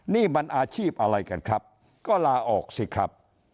นี่มันอาชีพอะไรกันครับก็ลาออกสิครับ